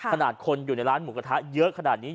ขนาดคนอยู่ในร้านหมูกระทะเยอะขนาดนี้